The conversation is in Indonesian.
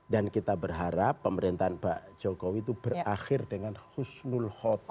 dan kita berharap pemerintahan mbak jokowi itu berakhir dengan husnul khotimah